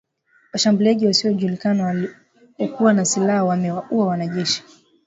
Washambuliaji wasiojulikana waliokuwa na silaha wamewaua wanajeshi